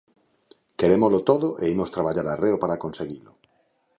Querémolo todo e imos traballar arreo para conseguilo.